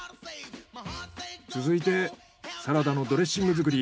続いてサラダのドレッシング作り。